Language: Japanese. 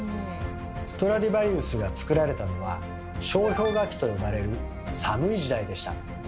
ストラディヴァリウスが作られたのは「小氷河期」と呼ばれる寒い時代でした。